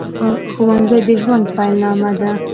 ښوونځي د ژوند پیل نامه ده